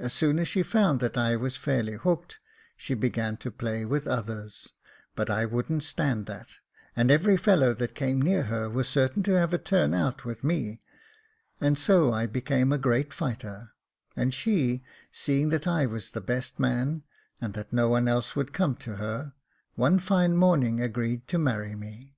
As 212 Jacob Faithful soon as she found that I was fairly hooked, she began to play with others ; but I wouldn't stand that, and every fellow that came near her was certain to have a turn out with me, and so I became a great fighter ; and she, seeing that I was the best man, and that no one else would come to her, one fine morning agreed to marry me.